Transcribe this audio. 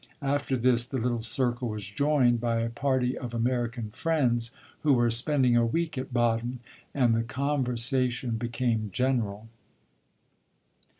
After this, the little circle was joined by a party of American friends who were spending a week at Baden, and the conversation became general.